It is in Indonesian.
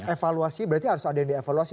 evaluasi berarti harus ada yang dievaluasi